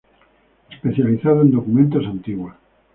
Especializado en documentos antiguos.